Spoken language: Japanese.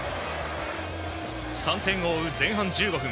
３点を追う前半１５分。